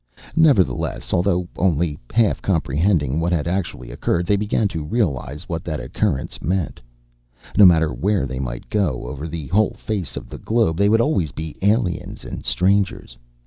Nevertheless, although only half comprehending what had actually occurred, they began to realize what that occurrence meant. No matter where they might go over the whole face of the globe, they would always be aliens and strangers.